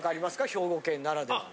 兵庫県ならではの。